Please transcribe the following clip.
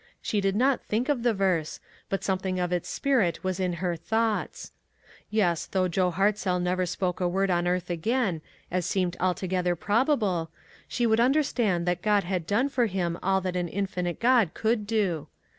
She did not think of the verse, but something of its spirit was in her thoughts. Yes, though Joe Hartzell never spoke a word on earth again, as seemed altogether probable, she would understand that God had done for him all that an infinite God could do.